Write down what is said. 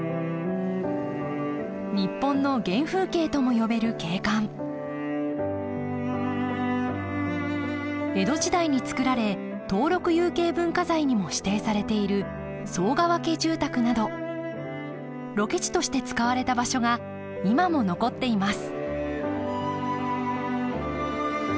日本の原風景とも呼べる景観江戸時代につくられ登録有形文化財にも指定されている寒川家住宅などロケ地として使われた場所が今も残っています